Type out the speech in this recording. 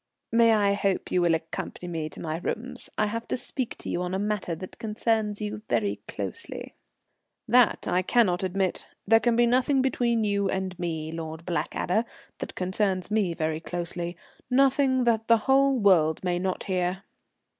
"May I hope you will accompany me to my rooms? I have to speak to you on a matter that concerns you very closely." "That I cannot admit. There can be nothing between you and me, Lord Blackadder, that concerns me very closely; nothing that the whole world may not hear."